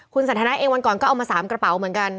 คุณสันทนาเองวันก่อนก็เอามา๓กระเป๋าเหมือนกัน